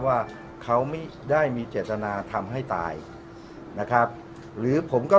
อ๋อขออนุญาตเป็นในเรื่องของการสอบสวนปากคำแพทย์ผู้ที่เกี่ยวข้องให้ชัดแจ้งอีกครั้งหนึ่งนะครับ